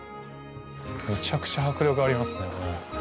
めちゃくちゃ迫力がありますね、これ。